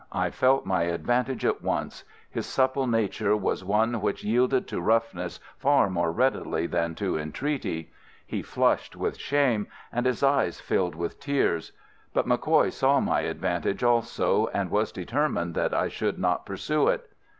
I felt my advantage at once. His supple nature was one which yielded to roughness far more readily than to entreaty. He flushed with shame, and his eyes filled with tears. But MacCoy saw my advantage also, and was determined that I should not pursue it.